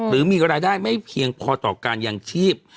หรือมีรายได้ไม่เพียงพอต่อการยังชีพ